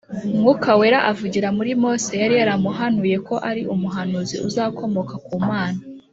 . Mwuka Wera avugira muri Mose yari yaramuhanuye ko ari umuhanuzi uzakomoka ku Mana